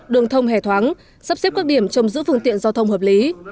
đường thông hề thoáng sắp xếp các điểm trong giữ phương tiện giao thông hợp lý